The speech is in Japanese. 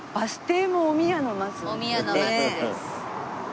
お宮の松です。